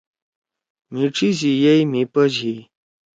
مھی ڇھی سی یئی مھی پَش ہی۔